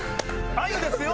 あゆですよ。